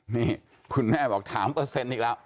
นี่คุณแม่บอกถามเปอร์เซ็นต์อีกแล้ว